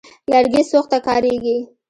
لرګي سوخت ته کارېږي.